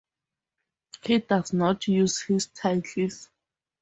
He does not use his titles.